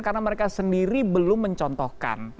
karena mereka sendiri belum mencontohkan